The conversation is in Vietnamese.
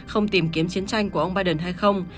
không tìm kiếm chiến tranh của ông biden hay không